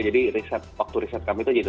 jadi riset waktu riset kami tidak berhasil